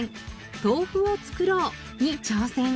「豆腐をつくろう」に挑戦。